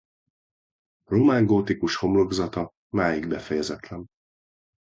Román-gótikus homlokzata máig befejezetlen.